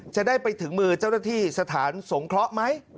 จะได้ไปถึงมือเจ้าหน้าที่สถานสงเคราะห์ไหม